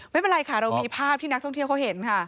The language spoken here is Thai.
ไม่เป็นไรค่ะเรามีภาพที่นักท่องเที่ยวเขาเห็นค่ะ